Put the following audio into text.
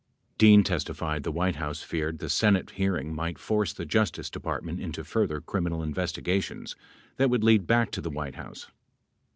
26 Dean testified the White House feared the Senate hearing might force the J ustice Department into further criminal investigations that would lead back to the White House.